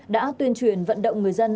đã tuyên truyền vận động người dân